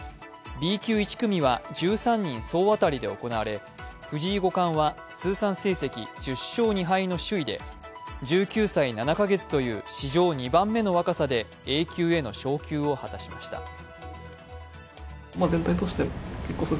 Ｂ級１組は１３人総当たりで行われ、藤井五冠は通算成績１０勝２敗の首位で１９歳７カ月という史上２番目の若さでＡ級への昇級を果たしました。